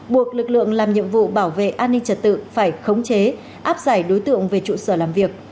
buộc lực lượng làm nhiệm vụ bảo vệ an ninh trật tự phải khống chế áp giải đối tượng về trụ sở làm việc